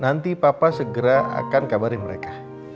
nanti papa segera akan kabarin mereka